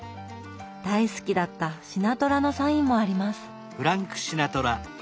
大好きだったシナトラのサインもあります。